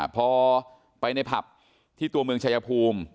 พอไปในผับที่ตัวเมืองชายภูมิ